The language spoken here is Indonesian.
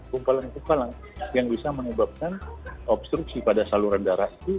kumpalan gumpalan yang bisa menyebabkan obstruksi pada saluran darah itu